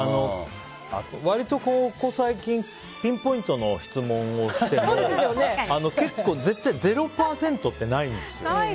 割とここ最近ピンポイントの質問をしても結構、０％ってないんですよ。